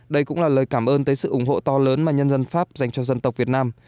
đây cũng là lời cảm ơn tới sự ủng hộ to lớn mà nhân dân pháp dành cho dân tộc việt nam